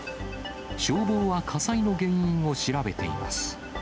消防は火災の原因を調べています。